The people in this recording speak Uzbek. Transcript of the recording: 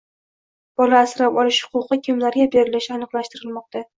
Bola asrab olish huquqi kimlarga berilishi aniqlashtirilmoqda